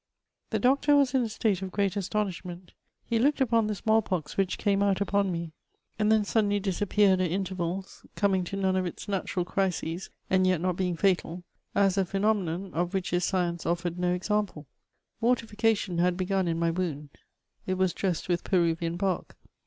The doctor was in a state of great astonishment ; he looked upon the small pox which came out upon me, and then suddenly disappeared at intervals, coming to none of its natural crises, and yet not heing fetal, as a phenomenon, of which his science ofiFered no example. Mortification had heg^un in my wound ; it was dressed with Peruyian hark.